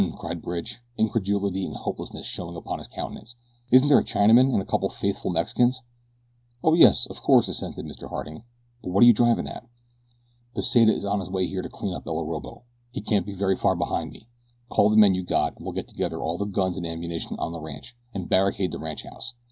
cried Bridge, incredulity and hopelessness showing upon his countenance. "Isn't there a Chinaman and a couple of faithful Mexicans?" "Oh, yes, of course," assented Mr. Harding; "but what are you driving at?" "Pesita is on his way here to clean up El Orobo. He can't be very far behind me. Call the men you got, and we'll get together all the guns and ammunition on the ranch, and barricade the ranchhouse.